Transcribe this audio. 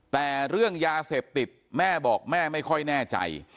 แต่เรื่องยาเสพติดแม่บอกแม่ไม่ค่อยแน่ใจ